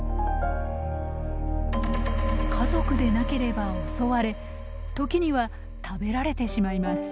家族でなければ襲われ時には食べられてしまいます。